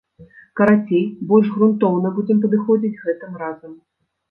Карацей, больш грунтоўна будзем падыходзіць гэтым разам.